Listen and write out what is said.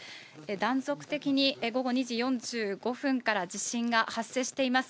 断続的に午後２時４５分から地震が発生しています。